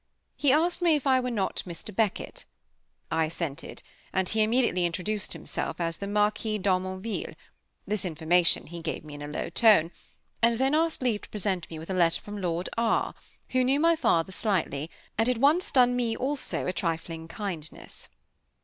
He asked me if I were not Mr. Beckett? I assented; and he immediately introduced himself as the Marquis d'Harmonville (this information he gave me in a low tone), and asked leave to present me with a letter from Lord R , who knew my father slightly, and had once done me, also, a trifling kindness.